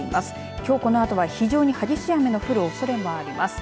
きょうこのあとは非常に激しい雨の降るおそれもあります。